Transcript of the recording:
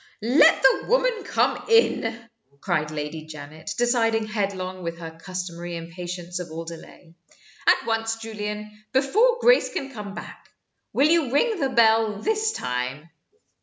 "Let the woman come in," cried Lady Janet, deciding headlong, with her customary impatience of all delay. "At once, Julian before Grace can come back. Will you ring the bell this time?"